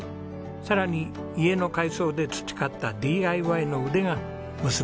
さらに家の改装で培ったＤＩＹの腕が結びつきました。